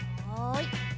はい。